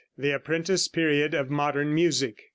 THE Apprentice Period of Modern Music.